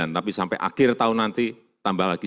tapi sampai akhir tahun nanti tambah lagi